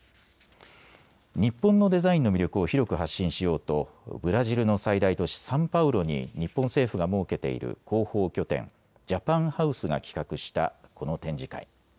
日本のデザインの魅力を広く発信しようとブラジルの最大都市、サンパウロに日本政府が設けている広報拠点、ジャパン・ハウスが企画したこの展示会。